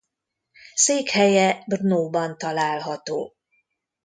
Székhelye Brnóban található.